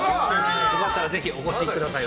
よかったらぜひお越しください。